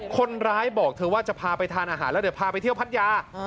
คนร้ายบอกเธอว่าจะพาไปทานอาหารแล้วเดี๋ยวพาไปเที่ยวพัทยา